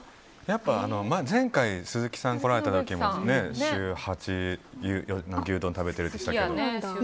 前回、鈴木さん来られた時も週８牛丼食べてるでしたっけ。